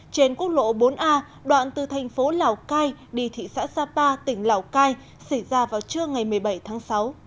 trên quốc lộ bốn a đoạn từ thành phố lào cai đi thị xã sapa tỉnh lào cai xảy ra vào trưa ngày một mươi bảy tháng sáu